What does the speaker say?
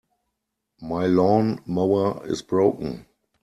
My lawn-mower is broken.